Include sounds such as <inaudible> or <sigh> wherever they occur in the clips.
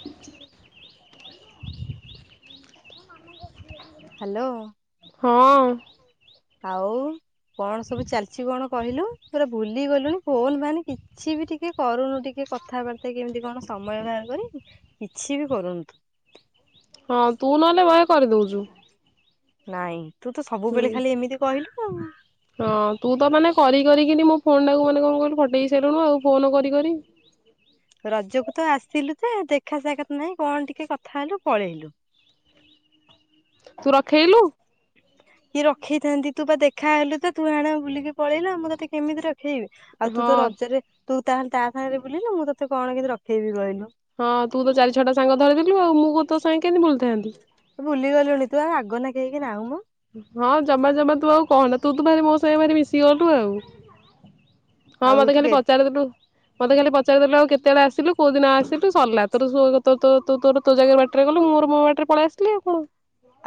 <inaudible> Hello. ହଁ। ଆଉ କଣ ସବୁ ଚାଲିଛି କଣ କହିଲୁ ପୁରା ଭୁଲି ଗଲୁଣିି ଫୋନ ଫାନ କି କିଛି ବି ଟିକେ କରୁନୁ ଟିକେ କଥାବାର୍ତ୍ତା କେମିତି କଣ ସମୟ ବାହାର କରିି କିଛି ବି କରୁନ ତୁ। ହଁ ତୁ ନହଲେ ବହେ କରି ଦଉଛୁ। ନାଇଁ ତୁ ତ ହୁଁ ସବୁବେଳେ ଖାଲି ଏମିତି କହିଲୁ ଆଉ। ହଁ ତୁ ତ ମାନେ କରି କରିକିନି ମୋ ଫୋନ ଟାକୁ ମାନେ କଣ କହିଲୁ ଫଟେଇ ସାରିଲୁନୁ ଆଉ ଫୋନ କରି କରି ରଜକୁ ତ ଆସିଲୁ ତ ଦେଖା ସାକ୍ଷାତ ନାହିଁ କଣ ଟିକେ କଥା ହେଲୁ ପଳେଇଲୁ। ତୁ ରଖେଇଲୁ? କି ରଖେଇଥାନ୍ତି ତୁ ବା ଦେଖା ହେଲୁ ତ ତୁ ଆଣ ବୁଲିକି ପଳେଇଲୁ ମୁଁ ତତେ କେମିତି ରଖେଇବି? ଆଉ ତୁ ହଁ ତ ରଜେରେ ତୁ ତାହାଲି ତା ସାଙ୍ଗେରେ ବୁଲିଲୁ ମୁଁ ତତେ କଣ କିନ୍ତି ରଖେଇବି କଇଲୁ। ହଁ ତୁ ତ ଚାରି ଛଅଟା ସାଙ୍ଗ ଧରିଦେଲୁ ଆଉ ମୁଁ କଁ ତୋ ସାଙ୍ଗେ କେନ୍ତି ବୁଲିଥାନ୍ତି? ତୁ ଭୁଲି ଗଲୁଣି ତୁ ଆଉ ଆଗ ନାକେ ହେଇକି ନାହୁଁ ପା। ହଁ ଜମା ଜମା ତୁ ଆଉ କହନା ତୁ ତୁ ଭାରି ମୋ ସାଙ୍ଗେ ଭାରି ମିଶିଗଲୁ ଆଉ। ହଁ ଆଉ ମତେ ଖାଲି ତୁ ପଚାରିଦେଲୁ ମତେ ଖାଲି ପଚାରି ଦେଲୁ ଆଉ କେତେବେଳେ ଆସିଲୁ କୋଉ ଦିନ ଆସିଲୁ ସରଲା ତୋର ସୁଆଗ ତୋ ତୋ ତୁ ତୋର ତୋ ଜାଗା ବାଟରେ ଗଲୁ ମୋର ମୋ ବାଟରେ ପଳେଇ ଆସିଲି ଆଉ କଣ।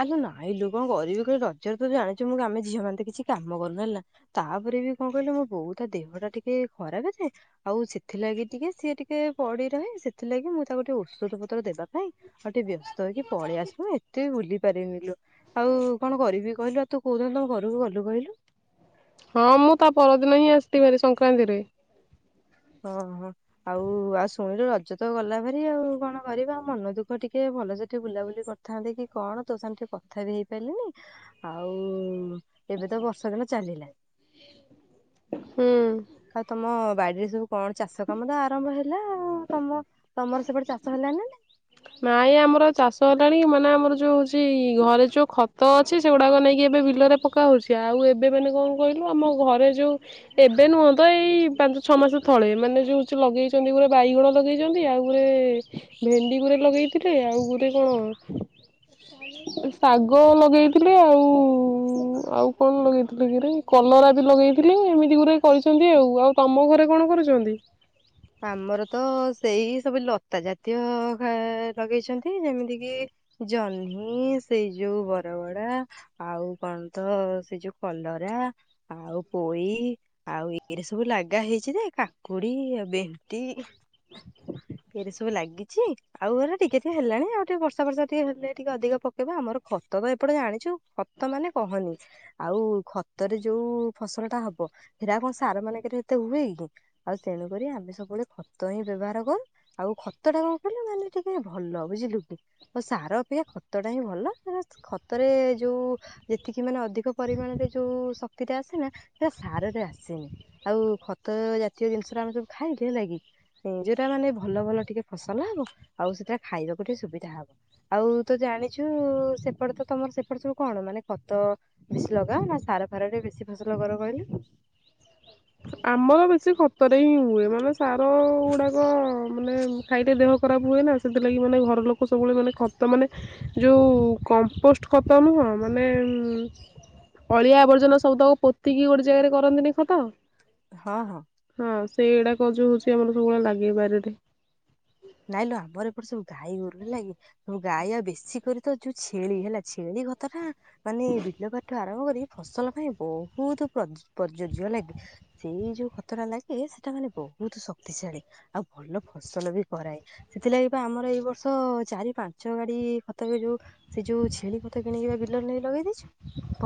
ଆଲୋ ନାଇଁ ଲୋ କଁ କରିବି କହ ରଜରେ ତୁ ଜାଣିଚୁ ମୁଁ ଆମେ ଝିଅମାନେ କିଛି କାମ କରୁନୁ ହେଲା। ତାପରେ ବି କଁ କହିଲୁ ମୋ ବୋଉ ତା ଦେହଟା ଟିକେ ଖରାପେ ଯେ ଆଉ ସେଥିଲାଗି ଟିକେ ସିଏ ଟିକେ ପଡି ରହେ ସେଥିଲାଗି ମୁଁ ତାକୁ ଟିକେ ଓଷଦ ପତ୍ର ଦେବା ପାଇଁ ଆଉ ଟିକେ ବ୍ୟସ୍ତ ହେଇକି ପଳି ଆସିଲୁ ଏତେ ବି ବୁଲିି ପାରିବିନି ଲୋ ଆଉ କଣ କରିବି କହିଲୁ ଆଉ ତୁ କୋଉ ଦିନ ତମ ଘରକୁ ଗଲୁ କହିଲୁ? ହଁ ମୁଁ ତା ପରଦିନ ହିଁ ଆସିତି ଭାରି ସଂକ୍ରାନ୍ତିରେ। ଓହୋ। ଆଉ ଆଉ ଷୋଳରେ ରଜ ତ ଗଲା ଭାର ଆଉ କଣ କରିବା ମନ ଦୁଃଖ ଟିକେ ଭଲସେ ଟିକେ ବୁଲାବୁଲି କ ଥାନ୍ତି କି କଣ ତୋ ସାଙ୍ଗ ଟିକେ କଥା ବି ହେଇପାରିଲିନି ଆଉ ଏବେ ତ ବର୍ଷା ଦିନ ଚାଲିଲା ହୁଁ ଆଉ ତମ ବାଡିରେ ସବୁ କଣ ଚାଷ କାମ ତ ଆରମ୍ଭ ହେଲା ଆଉ ତମ ତମର ସେପଟେ ଚାଷ ହେଲାଣିି ନା ନାଇଁ। ନାଇଁ ଆମର ଚାଷ ହେଲାଣି ମାନେ ଆମର ଯୋଉ ହଉଚି ଘରେ ଯୋଉ ଖତ ଅଛି ସେଗୁଡାକ ନେଇକି ଏବେ ବିଲେରେ ପକା ହଉଚି ଆଉ ଏବେ ବେଲେ କଁ କଇଲୁ ଆମ ଘରେ ଯୋଉ ଏବେ ନୁହଁ ତ ଏଇ ପାଞ୍ଚ ଛଅ ମାସେ ତଳେ ମାନେ ଯୋଉ ଚୁ ଲଗେଇଚନ୍ତି ଗୁରେ ବାଇଗଣ ଲଗେଇଚନ୍ତି ଆଉ ଗୁରେ ଭେଣ୍ଡି ଗୁରେ ଲଗେଇଥିଲେ ଆଉ ଗୁରେ କଣ ଶାଗ ଲଗେଇଥିଲି ଆଉ ଆଉ କଣ ଲଗେଇଥିଲେ ଗୁରେ କଲରା ବି ଲଗେଇଥିଲି ଏମିତି ଗୁରେ କରିଛନ୍ତି ଆଉ ଆଉ ତମ ଘରେ କଣ କରୁଛନ୍ତି? ଆମର ତ ସେଇ ସବୁ ଲତା ଜାତୀୟ ଘା ଲଗେଇଛନ୍ତି ଯେମିତି କିି ଜହ୍ନି ସେଇ ଯୋଉ ବର ବଡା ଆଉ କଣ ତ ସେ ଯୋଉ କଲରା। ଆଉ ପୋଇ ଆଉ ଏଇରା ସବୁ ଲାଗା ହେଇଛି ଯେ କାକୁଡି ଏବେ ଇମତି ଫେରେ ସବୁ ଲାଗିଛି। ଆଉ ଏଇରା ଟିକେ ଟିକେ ହେଲାଣି ଆଉ ଟିକେ ବର୍ଷା ବର୍ଷା ଟିକେ ହେଲେ ଟିକେ ଅଧିକ ପକେଇବା ଆମର ଖତ ବା ଏପଟେ ଜାଣିଚୁ ଖ ତ ମାନେ କହନି। ଆଉ ଖତରେ ଯୋଉ ଫସଲଟା ହବ ହେରା କଁ ସାରମାନେଙ୍କେରେ ଏତେ ହୁଏ କି। ଆଉ ତେଣୁ କରି ଆମେ ସବ ବେଳେ ଖତ ହିଁ ବେବହାର କରୁ ଆଉ ଖତଟା କଁ କହିଲୁ ମାନେ ଟିକେ ଭଲ ବୁଝିଲୁ କି। ଆଉ ସାର ଅପେକ୍ଷା ଖତଟା ହିଁ ଭଲ <unintelligible> ଖତରେ ଯୋଉ ଯେତିକି ମାନେ ଅଧିକ ପରିମାଣରେ ଯୋଉ ଶକ୍ତିଟା ଆସେ ନା ଟା ସାରରେ ଆସେନି। ଆଉ ଖତ ଜାତୀୟ ଜିନିଷରେ ଆମେ ସବୁ ଖାଇ <unintelligible> ଅଁ ଯୋଉଟା ମାନେ ଭଲ ଭଲ ଟିକେ ଫସଲ ହବ ଆଉ ସେଟା ଖାଇବାକୁ ଟିକେ ସୁବିଧା ହବ। ଆଉ ତ ଜାଣିଛୁ ସେପଟେ ତ ତମର ସେପଟେ ସବୁ କଣ ମାନେ ଖତ ବେଶୀ ଲଗାଅ ନା ସାର ଫାରରେ ବେଶୀ ଫସଲ କର କହିଲୁ। ଆମର ବେଶୀ ଖତରେ ହିଁ ହୁଏ ମାନେ ସାର ଗୁଡାକ ମାନେ ଉଁ ଖାଇତେ ଦେହ ଖରାପ ହୁଏ ନା ସେଥିଲାଗି ମାନେ ଘର ଲୋକ ସବୁବେଳେ ମାନେ ଖତ ମାନେ ଯୋଉ କମ୍ପୋଷ୍ଟ ଖତ ନୁହଁ ମାନେ ଉଁ ଅଳିଆ ଆବର୍ଜନା ସବୁତକ ପୋତିକି ଗୋଟେ ଜାଗାରେ କରନ୍ତିନି ଖତ। ହଁ ହଁ। ହଁ ସେଇଗୁଡାକ ଯୋଉ ହଉଛି ଆମର ସବୁବେଳେ ଲାଗେ ବାରିରେ। ନାଇଁ ଲୋ ଆମର ଏପଟେ ସବୁ ଗାଈ ଗୋରୁ ହେଲା କି ସବୁ ଗାଈ ଆଉ ବେଶୀ କରି ତ ଯୋଉ ଛେଳି ହେଲା ଛେଳି ଘ ତଟା ମାନେ ବିଲ ପାଠ ଆରମ୍ଭ କରି ଫସଲ ପାଇଁ ବହୁତ <unintelligible> ପ୍ରଯଜ ଲାଗେ। ସେଇ ଯୋଉ ଖତଟା ଲାଗେ ସେଟା ମାନେ ବହୁତ ଶକ୍ତିଶାଳୀ ଆଉ ଭଲ ଫସଲ ବି କରାଏ ସେଥିଲାଗି ବା ଆମର ଏଇ ବର୍ଷ ଚାରି ପାଞ୍ଚ ଗାଡି ଖତ ଯୋଉ ସେ ଯୋଉ ଛେଳି ପଥ କିଣିକି ବା ବିଲରେ ନେଇକି ଲଗେଇ ଦେଇେଇଛୁ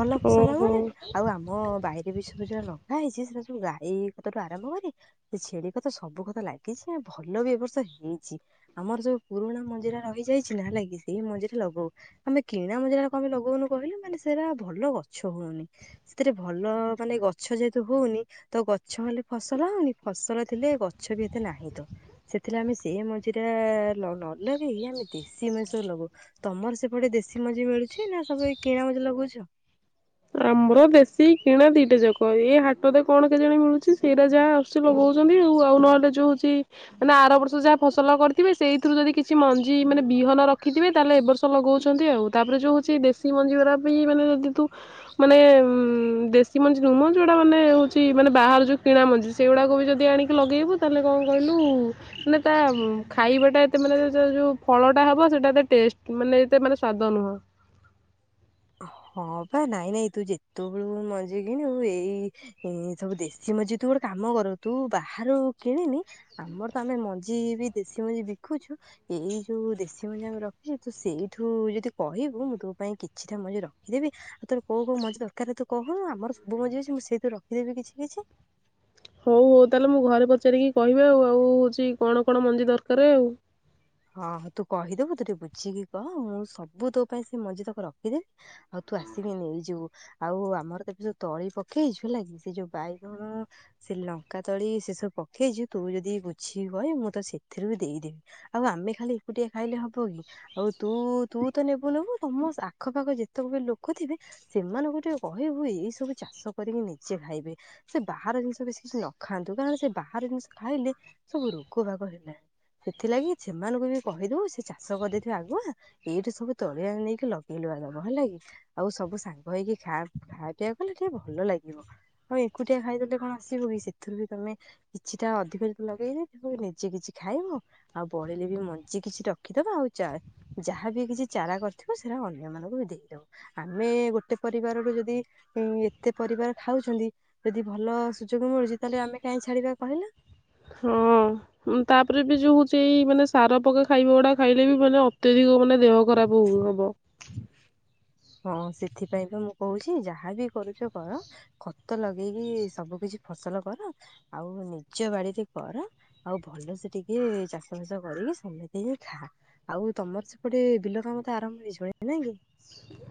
ଭଲ ଫସଲ ହବ ଓହୋ। ବୋଲି। ଆଉ ଆମ ବାଇରେ ବି ସବୁ ଯୋଉ ଲଗା ହେଇଛି ସେଟା ସବୁ ଗାଈ ଖତଠୁ ଆରମ୍ଭ କରି ସେ ଛେଳି ଖତ ସବୁ ଖତ ଲାଗିଛି ଭଲ ବି ଏବ ବର୍ଷ ହେଇଛି ଆମର ସବୁ ପୁରୁଣା ମଞ୍ଜିରେ ରହିଯାଇଛି ନା ହେଲାଗି ସେଇ ମଞ୍ଜିରେ ଲଗଉ। ଆମେ କିଣା ମଞ୍ଜି ଯୋ କଣ ପାଇଁ ଲଗଉନୁ କହିଲେ ମାନେ ସେଇଟା ଭଲ ଗଛ ହଉନି। ସେଥିରେ ଭଲ ମାନେ ଗଛ ଯେହେତୁ ହଉନି। ତ ଗଛ ହେଲେ ଫସଲ ହଉନି ଫସଲ ଥିଲେ ଗଛ ବି ଏତେ ନାହିଁ ତ ସେଥିଲେ ଆମେ ଏ ମଞ୍ଜିଟା ଲ ନ ଲଗେଇ ଆମେ ଦେଶୀ ମାଞ୍ଜି ସବୁ ଲଗଉ। ତମର ସେପଟେ ଦେଶୀ ମଞ୍ଜି ମିଳୁଛି ନା ସବୁ ଏ କିଣା ମଞ୍ଜି ଲଗଉଛ? ଆମର ଦେଶୀ କିଣା ଦିଟା ଯାକ ଏଇ ହାଟରେ କଣ କେଜାଣି ମିଳୁଛି ସେଇରା ଯାହା ଆସୁଛି ଲଗଉଛନ୍ତି ଆଉ ନହେଲେ ଯଉଛି ମାନେ ଆର ବର୍ଷ ଯାହା ଫସଲ କରିଥିବେ ସେଇଥିରୁ ଯଦି କିଛି ମଞ୍ଜି ମାନେ ବିହନ ରଖିଥିବେ ତାହେଲେ ଏବର୍ଷ ଲଗଉଛନ୍ତି ଆଉ ତାପରେ ଯୋଉ ହଉଛି ଦେଶୀ ମଞ୍ଜି ଗୁରା ଵି ମାନେ ଯଦି ତୁ ମାନେ ଉଁ ଦେଶୀ ମଞ୍ଜି ନୁମ ଯୋଉଟା ମାନେ ହଉଛି ମାନେ ବାହାର ଯୋଉ କିଣା ମଞ୍ଜି ସେଇଗୁଡ଼ାକ ବି ଯଦି ଆଣିକି ଲଗେଇବୁ ତାହେଲେ କଣ କହିଲୁ ମାନେ ତା ଖାଇବାଟା ଏତେ ମାନେ ଯୋଉ ଫଳଟା ହବ ସେଟା ଏତେ ଟେଷ୍ଟ ମାନେ ଏତେ ମାନେ ସ୍ଵାଦ ନୁହଁ। ହଁ ପା ନାଇଁ ନାଇଁ ତୁ ଯେତେବେଳୁ ମଞ୍ଜି କିଣବୁ ଏଇ ଏ ସବୁ ଦେଶୀ ମଞ୍ଜି ତୁ ଗୋଟେ କାମ କର ତୁ ବାହାରୁ କିଣିନି ଆମର ତ ଆମେ ମଞ୍ଜି ବି ଦେଶୀ ମଞ୍ଜି ବିକୁଛୁ ଏଇ ଯୋଉ ଦେଶୀ ମଞ୍ଜି ଆମେ ରଖିଛୁ ତୁ ସେଇଠୁ ଯଦି କହିବୁ ମୁଁ ତୋ ପାଇଁ କି କିଛି ଟା ମୁଁ ଆଜି ରଖିଦେବି। ଆଉ ତୋର କୋଉ କୋଉ ମଞ୍ଜି ଦରକାର ତୁ କହୁନୁ ଆମର ସବୁ ମଞ୍ଜି ଅଛି ମୁଁ ସେଇଥିରୁ ରଖିଦେବି କିଛି କିଛି। ହଉ ହଉ ତାହେଲେ ମୁଁ ଘରେ ପଚାରିକି କହିବି ଆଉ ଆଉ ହଉଛି କଣ କଣ ମଞ୍ଜି ଦରକାର ଆଉ। ହଁ ତୁ କହିଦବୁ ତୁ ଟିକିଏ ବୁଝିକି କହ ମୁଁ ସବୁ ତୋ ପାଇଁ ସେ ମଞ୍ଜି ତକ ରଖିଦେବି। ଆଉ ତୁ ଆସିକି ନେଇଯିବୁ। ଆଉ ଆମର ଏବେ ଯୋଉ ତଳି ପକେଇଛୁ ହେଲା କି ସେ ଯୋଉ ବାଇଗଣ ସେ ଲଙ୍କା ତଳି ସେ ସବୁ ପକେଇଛୁ ତୁ ଯଦି ବୁଝିକି କହିବୁ ମୁଁ ତତେ ସେଥିରୁ ବି ଦେଇଦେବି। ଆଉ ଆମେ ଖାଲି ଏକୁଟିଆ ଖାଇଲେ ହବ କି? ଆଉ ତୁ ତୁ ତ ନେବୁ ନେବୁ ତମ ଆଖପାଖ ଯେତେକ ବି ଲୋକ ଥିବେ ସେମାନେଙ୍କୁ ଟିକେ କହିବୁ ଏଇ ସବୁ ଚାଷ କରିକି ନିଜେ ଖାଇବେ। ସେ ବାହାର ଜିନିଷ ବେଶୀ କିଛି ନ ଖାଆନ୍ତୁ କାରଣ ସେ ବାହାର ଜିନିଷ ଖାଇଲେ ସବୁ ରୋଗ ବାଗ ହେଲା। ସେଥିଲାଗି ସେମାନଙ୍କୁ ବି କହିଦବୁ ସେ ଚାଷ କରିଦେଇଥିବ ଆଗୁଆ ଏଇଠି ସବୁ ତଳିଆ ନେଇକି ଲଗେଇ ଲୁବା ଦବ ହେଲା କି। ଆଉ ସବୁ ସାଙ୍ଗ ହେଇକି ଖା ଖାପିଅ କଲେ ଟିକେ ଭଲ ଲାଗିବ। ହଁ ଏକୁଟିଆ ଖାଇଦେଲେ କଣ ଆସିବ କି ସେଥିରୁ ବି ତମେ କିଛିଟା ଅଧିକ ଲଗେଇଲେ ତୁ ନିଜେ କିଛି ଖାଇବୁ ଆଉ ବଳିଲେ ବି ମଞ୍ଜି କିଛି ରଖିଦବା ଆଉ ଚା ଯାହାବି କିଛି ଚାରା କରିଥିବ ସେରା ଅନ୍ୟମାନଙ୍କୁ ବି ଦେଇଦବୁ। ଆମେ ଗୋଟେ ପରିବାର ରୁ ଯଦି ଏତେ ପରିବାର ଖାଉଛନ୍ତି। ଯଦି ଭଲ ସୁଯୋଗ ମିଳୁଛି ତାହେଲେ ଆମେ କାହିଁ ଛାଡିବା କହିଲ। ହଁ। ତାପରେ ବି ଯୋଉ ହଉଛି ଏଇ ମାନେ ସାର ପକା ଖାଇବା ଗୁଡା ଖାଇଲେ ବି ମାନେ ଅତ୍ୟଧିକ ମାନେ ଦେହ ଖରାପ ହୁ ହବ। ହଁ ସେଥିପାଇଁ ତ ମୁଁ କହୁଛି ଯାହାବି କରୁଛ କର ଖତ ଲଗେଇକି ସବୁ କିଛି ଫସଲ କର ଆଉ ନିଜ ବାଡିରେ କର। ଆଉ ଭଲସେ ଟିକେ ଚାଷ ବାସ କରିକି ସମେତି ହି ଖା। ଆଉ ତମର ସେପଟେ ବିଲ କାମ ତ ଆରମ୍ଭ ହେଇଜିବଣି ନାଇକି?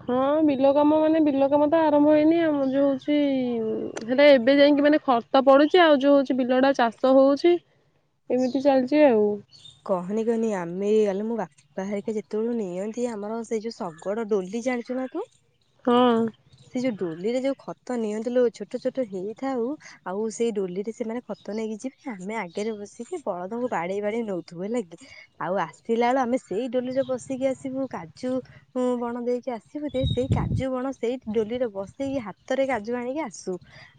ହଁ ବିଲ କାମ ମାନେ ବିଲ କାମ ତ ଆରମ୍ଭ ହେଇନି ଆମର ଯୋଉ ହଉଛି ହେରା ଏବେ ଯାଇକି ମାନେ ଖର୍ତ ପଡୁଚି ଆଉ ଯଉ ହଉଚି ବିଲଟା ଚାଷ ହଉଚି ଏମିତି ଚାଲିଚି ଆଉ। କହନି କହନି ଆମେ ଆଲୋ ମୋ ବା ପା ହାରିକା ଯେତେବେଳୁ ନିଅନ୍ତି ଆମର ସେଇ ଯୋଉ ଶଗଡ ଡୋଲି ଜାଣିଚୁ ନା ତୁ? ହଁ। ସେ ଯୋଉ ଡୋଲି ରେ ଯୋଉ ଖତ ନିଅନ୍ତିଲୋ ଛୋଟ ଛୋଟ ହେଇଥାଉ ଆଉ ସେଇ ଡୋଲି ରେ ସେମାନେ ଖତ ନେଇକି ଯିବେ ଆମେ ଆଗରେ ବସିକି ବଳଦଙ୍କୁ ବାଡେଇ ବାଡେଇ ନଉ। ଧୁହେଲାକି ଆଉ ଆସିଲା ବେଳୁ ଆମେ ସେଇ ଡୋଲିରେ ବସିକି ଆସିବୁ କାଜୁ ଉ ବଣ ଦେଇକି ଆସିବୁ ଯେ ସେଇ କାଜୁ ବଣ ସେଇ ଡୋଲିରେ ବସିକି ହାତରେ କାଜୁ ଆଣିକି ଆସୁ।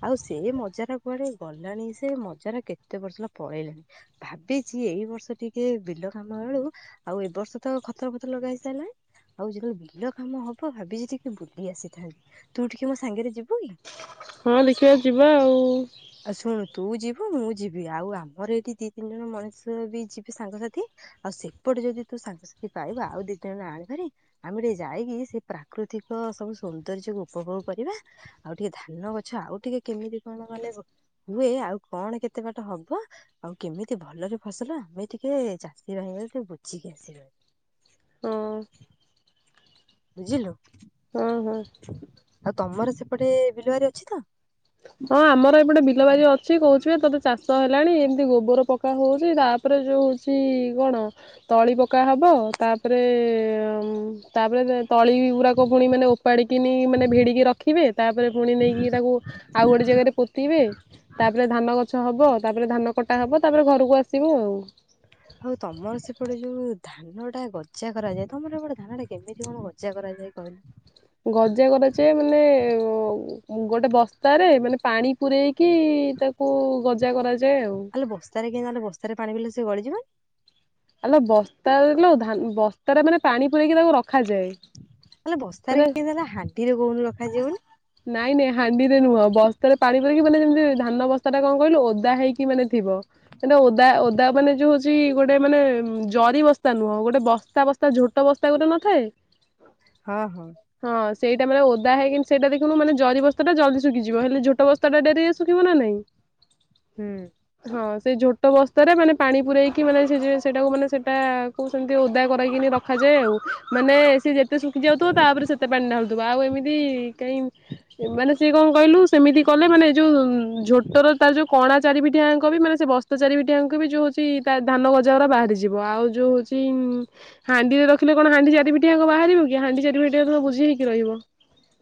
ଆଉ ସେ ମଜା ଟା କୁଆଡେ ଗଲାଣି ସେ ମଜା ଟ କେତେ ବର୍ଷ ହେଲା ପଳେଇଲାଣି। ଭାବିଚି ଏଇ ବର୍ଷ ଟିକେ ବିଲ କାମ ବେଳୁ ଆଉ ଏ ବର୍ଷ ତ ଖତ ଫତ ଲଗା ହେଇସାରିଲାଣି। ଆଉ ଯେତେବେଳେ ବିଲ କାମ ହବ ଭାବିଚି ଟିକେ ବୁଲି ଆସିଥାନ୍ତି, ତୁ ଟିକେ ମୋ ସାଙ୍ଗରେ ଯିବୁ କି? ହଁ ଦେଖିଆ ଯିବା ଆଉ। ଆଉ ଶୁଣୁ ତୁ ଯିବୁ ମୁଁ ଯିବି ଆଉ ଆମର ଏଇଠି ଦି ତିନି ଜଣ ମଣିଷ ବି ଯିବି ସାଙ୍ଗସାଥି। ଆଉ ସେପଟେ ଯଦି ତୁ ସାଙ୍ଗସାଥି ପାଇବୁ ଆଉ ଦି ଜଣ ଆଣିବୁ ହାରି। ଆମେ ଟିକେ ଯାଇକି ସେ ପ୍ରାକୃତିକ ସବୁ ସୌନ୍ଦର୍ଯ୍ୟକୁ ଉପଭୋଗ କରିବା ଆଉ ଟିକେ ଧାନ ଗଛ ଆଉ ଟିକେ କେମିତି କଣ ଗଲେ ହୁଏ ଆଉ କଣ କେତେ ବାଟ ହବ ଆଉ କେମିତି ଭଲରେ ଫସଲ ଆମେ ଟିକେ ଚାଷୀ ଭାଇ ଟିକେ ବୁଝିକି ଆସିବା। ହଁ। ବୁଝିଲୁ? ହଁ ହଁ। ଆଉ ତମର ସେପଟେ ବିଲଆରି ଅଛି ତ? ହଁ ଆମର ଏପଟେ ବିଲ ବାରି ଅଛି କହୁଚିବା ତତେ ଚାଷ ହେଲାଣି ଏମିତି ଗୋବର ପକା ହଉଚି ତା ତାପରେ ଯୋଉ ହଉଛି କଣ ତଳି ପକା ହବ ତାପରେ ତାପରେ ତଳି ଗୁଡାକ ପୁଣି ମାନେ ଓପାଡିକିନି ମାନେ ଭିଡିକି ରଖିବେ ତାପରେ ପୁଣି ନେଇକି ତାକୁ ଆଉ ଗୋଟେ ଜାଗାରେ ପୋତିବେ। ତାପରେ ଧାନ ଗଛ ହବ ତାପରେ ଧାନ କଟା ହବ ତାପରେ ଘରକୁ ଆସ ସିବ ଆଉ। ଆଉ ତମର ସେପଟେ ଯୋଉ ଧାନ ଟା ଗଜା କରାଯାଏ ତମର ସେପଟେ ଧାନଟା କେମିତି କଣ ଗ ଜା କରାଯାଇଏ କହିଲୁ? ଗଜା କରାଯାଏ ମାନେ ଗୋଟେ ବସ୍ତାରେ ମାନେ ପାଣି ପୂରେଇକି ତାକୁ ଗଜା କରାଯାଏ ଆଉ। ଆଲୋ ବସ୍ତାରେ କେ ନହେ ବସ୍ତାରେ ପାଣି ପଲେ ସେ ଗଡଳିଯିବନି? ଆଲୋ ବସ୍ତାରେ ଲୋ ଧାନ ବସ୍ତାରେ ମାନେ ପାଣି ପୁରେଇକି ତାକୁ ରଖାଯାଏ। ଆଲୋ ବସ୍ତାରେ ମାନେ କେମ ହେଲା ହାଣ୍ଡିରେ କୋଉନୁ ରଖାଯିବ ବୋଲି। ନାଇଁ ନାଇଁ ହାଣ୍ଡିରେ ନୁହଁ ବସ୍ତାରେ ପାଣି ପୂରେଇକି କି ମାନେ ଯେମିତି ଧାନ ବସ୍ତା ଟା କଣ କହିଲୁ ଓଦା ହେଇ କି ମାନେ ଥିବ। ସେଟ ଓଦା ଓଦା ମାନେ ଯୋଉ ହଉଛି ଗୋଟେ ମାନେ ଜରି ବସ୍ତା ନୁହଁ ଗୋଟେ ବସ୍ତା ବସ୍ ତା ଝୋଟ ବସ୍ତା ଗୋଟେ ନଥାଏ? ହଁ ହଁ। ହଁ ସେଇଟା ମାନେ ଓଦା ହେଇକିନି ସେଇଟା ଦେଖୁନୁ ମାନେ ଜରି ବସ୍ତା ଟା ଜଲଦି ସୁଖିଯିବ। ହେଲେ ଝୋଟ ବସ୍ତା ଟା ଡେରିରେ ଶୁଖିବ ନା ନାଇଁ? ହୁଁ। ହଁ ସେଇ ଝୋଟ ବସ୍ତାରେ ମାନେ ପାଣି ପୁରରେଇକି ମାନେ ସେ ଯୋଉ ସେଟାକୁ ମାନେ ସେଇଟା ତାକୁ ସେମିତି ଓଦା କରାଇକିନି ରଖାଯାଏ ଆଉ। ମାନେ ସିଏ ଯେତେ ଶୁକି ଯାଉଥିବ ତାଉପରେ ସେତେ ପାଣି ଢାଳୁଥିବ। ଆଉ ଏମିତି କାଇଁ ମାନେ ସିଏ କଣ କହିଲୁ ସେମିତି କଲେ ମାନେ ଯୋଉ ଝୋଟର ତାର ଯୋଉ କ ଣା ଚାରିପିଠିଆଙ୍କ ବି ମାନେ ସେ ବସ୍ତା ଚାରିପିଠିଆଙ୍କ ବି ଯୋଉ ହୋଉଚି ଧାନ ଗଜାଉରା ବାହାରି ଯିବ। ଆଉ ଯଉ ହଉଚି ହାଣ୍ଡିରେ ରଖିଲେ କଣ ହାଣ୍ଡି ଚାରିପିଠଆ ବାହାରିବ କି ହାଣ୍ଡି ଚାରିଠଆ ତ ବୁଝି ହେକି ରହିବ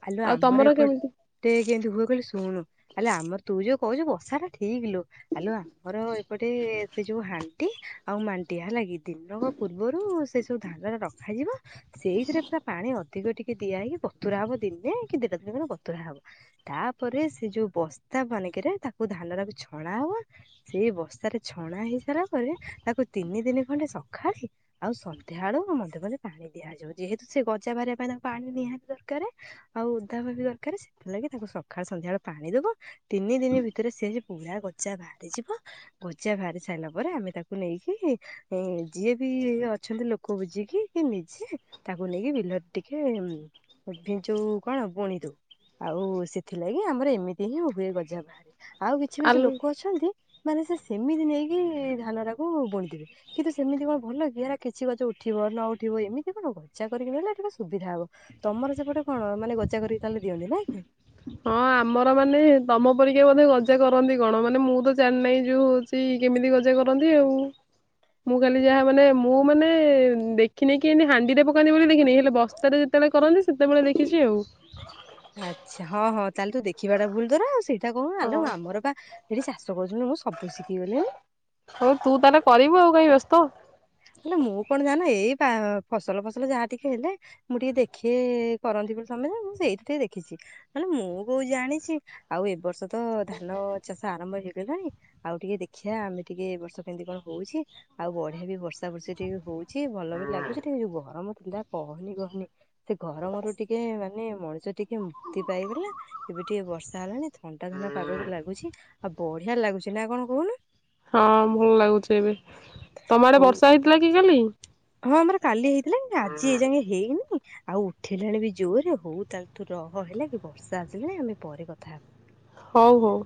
ଆଲୁ ଆଉ ଆମର ତମର କେମିତି ଏପଟେ କେମିତି ହୁଏ କହିଲେ ଶୁଣୁ? ହେଲେ ଆମର ତୁ ଯୋଉ କହୁଛୁ ବସା ଟା ଠିକ ଲୁ ଆଲୁ ଆମର ଏପଟେ ସେ ଯୋଉ ହାଣ୍ଟି ଆଉ ମାଣ୍ଟି ହେଲାଗି ଦିନ ପୂର୍ବରୁ ସେ ସବୁ ଧାନ ଟା ରଖାଯିବ ସେଇଥିରେ ପୁରା ପାଣି ଅଧିକ ଟିକେ ଦିଆହଇକି ବତୁରା ହବ ଦିନେ କି ଦଟା ଦିନ ଗ ବତୁରା ହବ ତାପରେ ସେ ଯୋଉ ବସ୍ତା ବନିକିରେ ତାକୁ ଧାନ ରାକୁ ଛଣା ହବା ସେଇ ବସ୍ତାରେ ଛଣା ହେଇ ସାରିଲା ପରେ ତାକୁ ତିନି ଦିନି ଖଣ୍ଡେ ସଖାଳି ଆଉ ସନ୍ଧ୍ୟା ବଳୁ ମଧେ କହିଲେ ପାଣି ଦିଆଯାଉ ଯେହେତୁ ସେ ଗଜା ବାହାରିବା ପାଇଁ ତାଙ୍କୁ ପାଣି ନିହାତି ଦରକାର ଆଉ ଓଦା ବାଲି ଦରକାର ସେଥି ଲାଗି ତାକୁ ସକାଳେ ସଂଧ୍ୟା ବେଳେ ପାଣି ଦେବ ତିନି ଦିନ ଭିତରେ ସେ - ପୁରା ଗଜା ବାହାରିଯିବ ଗଜା ବାହାରି ସାରିଲା ପରେ ଆମେ ତାକୁ ନେଇକି - ଏ ଯିଏ ବି ଅଛନ୍ତି ଲୋକ ବୁଝିକି କି ନିଜେ- ତାକୁ ନେଇକି ବିଲରେ ଟିକେ ଉ ଯୋଉ କଣ ବୁଣିଦଉ ଆଉ ସେଥିଲାଗି ଆମର ଏମିତି ହିଁ ହୁଏ ଗଜା ବାହାରେ- ଆଉ କିଛି କିଛି ଆଲ ଲୋକ ଅଛନ୍ତି ମାନେ ସେ ସେମିତି ନେଇକି ଧାନ ଟାକୁ ବୁଣୀଥିବେ। କିନ୍ତୁ ସେମିତି କଣ ଭଲ କି ହେରା କିଛି ଗଛ ଉଠିବ ନ ଉଠିବ ଏମିତି କଣ ହବ ଚା କରିକି ନହଲେ ଟିକେ ସୁବିଧା ହବ ତମର ସେପଟେ କଣ ମାନେ ଗଚା କରିକ ତାହଲେ ଦିଅନ୍ତି ନାଇଁ - ହଁ ଆମର ମାନେ ତମ ପରିକା ବୋଧେ ଗଜା କରନ୍ତି କଣ ମାନେ ମୁଁ ତ ଜାଣିନାହିଁ ଯୋଉ - ସେଇ କେମିତି ଗଜା କରନ୍ତି ଆଉ ମୁଁ କାଲି ଯାହା ମାନେ ମୁଁ ମାନେ ଦେଖିନି କି ଏନି ହାଣ୍ଡିରେ ପକାନ୍ତିି ବୋଲି ଦେଖିନି ହେଲେ ବସ୍ତାରେ - କେତେବେଳେ କରନ୍ତି ସେତେବେଳେ ଦେଖିଛି ଆଉ। ଆଚ୍ଛା ହଁ ହଁ ତାହେଲେ ତୁ ଦେଖିବା ଟା ଭୁଲ ତୋର ସେଇଟା କହୁନୁ ଆଲୋ ହଁ ଆମର ପା - ଏଠି ଚାଷ କରୁଛନ୍ତି ମୁଁ ସବୁ ଶିଖିଗଲେଣି। ହଉ ତୁ ତାହେଲେ କରିବୁ ଆଉ କାଇଁ ବେସ୍ତ ହୋ ହେଲେ ମୁଁ କଣ ଜାଣେ ଏଇପା ଫସଲ ଫସଲ ଯାହା ଟିକେ ହେଲେ ମୁଁ ଟିକେ ଦେଖି କରନ୍ତି ବୋଲି ତମେ ମୁଁ ସେଇଠି ଟିକେ ଦେଖିଚି। ହେଲେ ମୁଁ କୋଉ ଜାଣିଛି ଆଉ ଏ ବର୍ଷ ତ ଧାନ ଚାଷ ଆରମ୍ଭ ହେଇଗଲାଣି। ଆଉ ଟିକେ ଦେଖିବା ଆମେ ଟିକେ ଏ ବର୍ଷ କେମିତି କଣ ହଉଛି ଆଉ ବଢିଆ ବି ବ୍ ତା ପରେ ସେଠି ବି ହଉଚି ଭଲ ବି ଲାଗୁଚି ଟିକେ ଗରମ ଥିଲା କହନି କହନି - ସେ ଗରମରୁ ଟିକେ ମାନେ ମଣିଷ ଟିକେ ମୁକ୍ତି ପାଇଗଲା। ଏବେ ଟିକେ ବର୍ଷା ହେଲାଣି ଥଣ୍ଡା ଥଣ୍ଡା ପାଗ ବି ଲାଗୁଛି ଆଉ ବଢିଆ ଲାଗୁଛି ନା କଣ କହୁନୁ? ହଁ ଭଲ ଲାଗୁଛି ଏବେ ତମ ଆଡେ ହଉ ବର୍ଷା ହେଇଥିଲା କି କାଲି? ହଁ ଆମର କାଲି ହେଇଥିଲା ଆଜି ଏଜାଙ୍କେ ହେଇନି - ଆଉ ଉଠେଇଲାଣି ବି ଜୋରେ ହଉ ତାହେଲେ ତୁ ରହ ହେଲା କି ବର୍ଷା ଆସିଲାଣି ଆମେ ପରେ କଥା ହେବା। ହଉ ହଉ।